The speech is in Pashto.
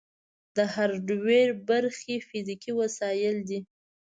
د هارډویر برخې فزیکي وسایل دي.